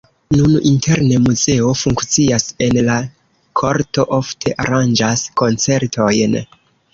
Nun interne muzeo funkcias, en la korto ofte aranĝas koncertojn.